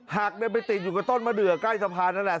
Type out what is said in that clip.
หักไปติดอยู่กับต้นมะเดือใกล้สะพานนั่นแหละ